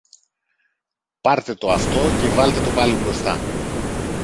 πάρτε το αυτό και βάλτε το πάλι μπροστά